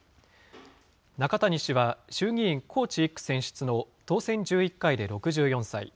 中谷氏は衆議院高知１区選出の当選１１回で６４歳。